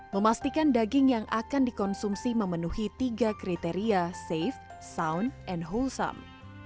memastikan daging yang akan dikonsumsi memenuhi tiga kriteria safe sound and wholesome